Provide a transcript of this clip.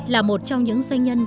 là một trong những doanh nhân